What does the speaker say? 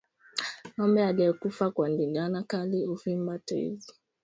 Ngombe aliyekufa kwa ndigana kali huvimba tezi